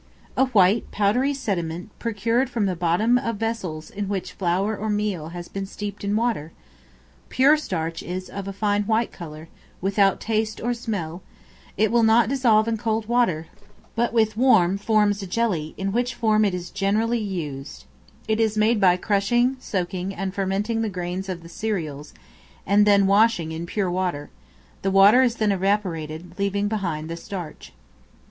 A white, powdery sediment procured from the bottom of vessels in which flour or meal has been steeped in water. Pure starch is of a fine white color, without taste or smell; it will not dissolve in cold water, but with warm forms a jelly, in which form it is generally used; it is made by crushing, soaking, and fermenting the grains of the cereals, and then washing in pure water; the water is then evaporated, leaving behind the starch.